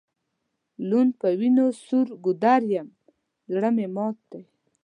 لوند په وینو سور ګودر یم زړه مي مات دی